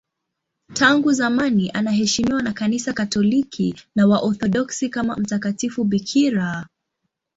Tangu zamani anaheshimiwa na Kanisa Katoliki na Waorthodoksi kama mtakatifu bikira.